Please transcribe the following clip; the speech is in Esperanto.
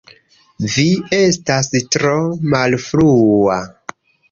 Vi estas tro malfrua